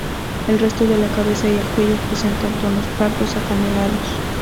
El resto de la cabeza y el cuello presenta tonos pardo-acanelados.